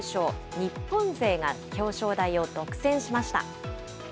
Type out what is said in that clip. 日本勢が表彰台を独占しました。